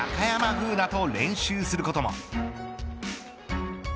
楓奈と練習することも。